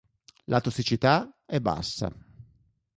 La tossicità è bassa.